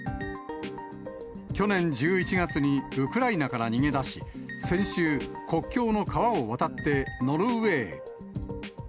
去年１１月にウクライナから逃げ出し、先週、国境の川を渡ってノルウェーへ。